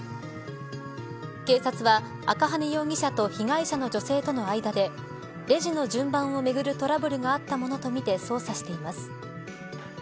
警察は赤羽容疑者と被害者の女性との間でレジの順番をめぐるトラブルがあったものとみて捜査しています。